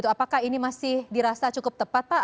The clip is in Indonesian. apakah ini masih dirasa cukup tepat pak